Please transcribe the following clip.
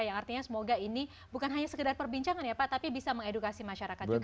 yang artinya semoga ini bukan hanya sekedar perbincangan ya pak tapi bisa mengedukasi masyarakat juga